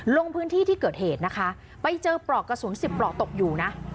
ลงพื้นที่ที่เกิดเหตุนะคะไปเจอปลอกกระสุน๑๐ปลอกตกอยู่นะ